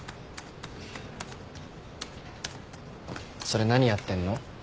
それ何やってんの？